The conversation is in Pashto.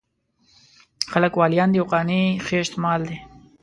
خلک واليان دي او قانع خېشت مال دی.